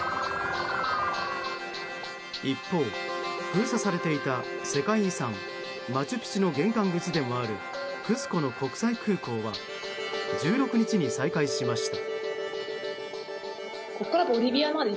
一方、封鎖されていた世界遺産マチュピチュの玄関口でもあるクスコの国際空港は１６日に再開しました。